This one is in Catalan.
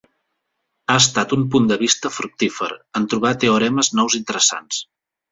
Ha estat un punt de vista fructífer en trobar teoremes nous interessants.